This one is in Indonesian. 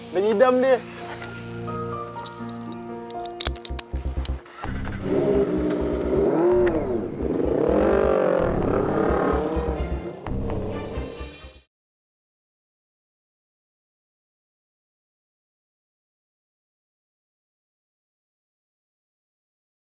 udah nyidam dia